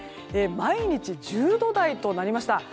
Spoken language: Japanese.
毎日１０度台となりました。